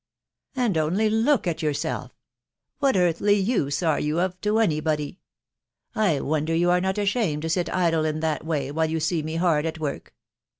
.... And only look at yourself ! What earthly use are yon of to any body ?.... I wonder you are not ashamed to sit idle in that way, while you see me hard at work."